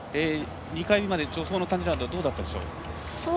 ２回目まで助走の感じなどどうだったでしょう。